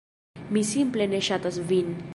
Mi simple ne ŝatas vin.